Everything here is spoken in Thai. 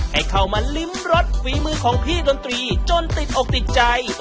ให้เข้ามาลิ้มรสฝีมือของพี่ดนตรีจนติดอกติดใจ